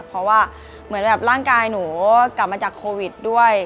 เพราะว่าเหมือนแบบร่างกายหนูกลับมาจากโควิดด้วย